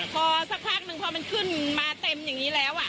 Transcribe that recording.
พอสักพักหนึ่งพอมันขึ้นมาเต็มอย่างนี้แล้ว